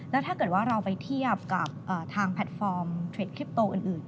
แล้วถ้าเกิดว่าเราไปเทียบกับทางแพลตฟอร์มเทรดคลิปโตอื่น